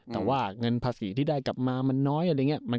แต่ว่าเงินภาษีที่ได้กลับมามันน้อย